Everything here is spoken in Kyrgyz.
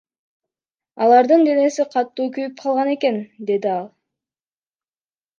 Алардын денеси катуу күйүп калган экен, — деди ал.